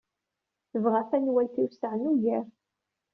Tebɣa tanwalt ay iwesɛen ugar.